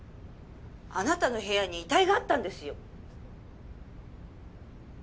「あなたの部屋に遺体があったんですよ！」